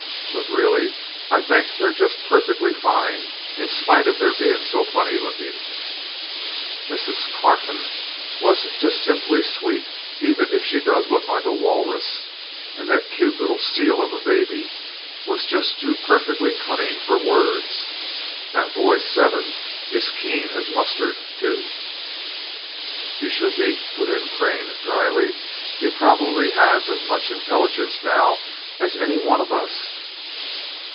But really, I think they're just perfectly fine, in spite of their being so funny looking. Mrs. Carfon is just simply sweet, even if she does look like a walrus, and that cute little seal of a baby was just too perfectly cunning for words. That boy Seven is keen as mustard, too." "He should be," put in Crane, dryly. "He probably has as much intelligence now as any one of us."